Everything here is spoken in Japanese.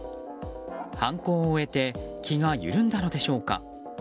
犯行を終えて気が緩んだのでしょうか。